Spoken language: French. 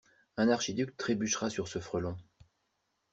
Un archiduc trébuchera sur ce frelon.